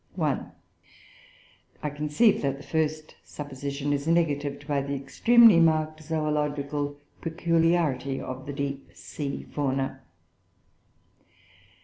"1. I conceive that the first supposition is negatived by the extremely marked zoological peculiarity of the deep sea fauna.